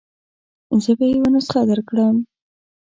زه به يې یوه نسخه درکړم.